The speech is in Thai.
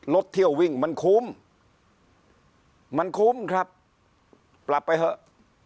เที่ยววิ่งมันคุ้มมันคุ้มครับปรับไปเถอะ